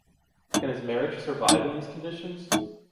Can his marriage survive in these conditions?